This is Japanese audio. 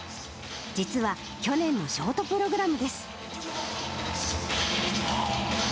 実は、去年のショートプログラムです。